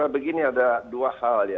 begini ada dua hal